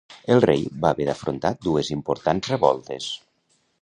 El rei va haver d'afrontar dues importants revoltes.